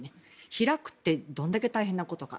開くってどれだけ大変なことか。